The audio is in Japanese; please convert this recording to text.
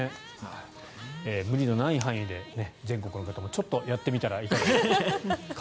無理のない範囲で全国の方もちょっとやってみたらいかがでしょうか。